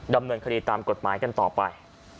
ดำเนินคดีตามกฎหมายกันต่อไป